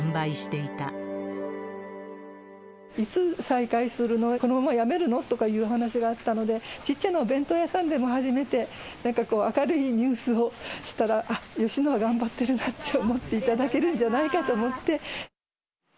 いつ再開するの、このままやめるの？とかいう話があったので、ちっちゃなお弁当屋さんでも始めて、なんかこう、明るいニュースをしたら、芳野は頑張ってるなと思っていただけるんじゃないかと思って。